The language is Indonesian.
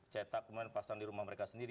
cetak kemudian pasang di rumah mereka sendiri